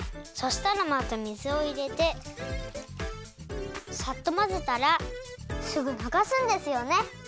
そしたらまた水をいれてさっとまぜたらすぐながすんですよね？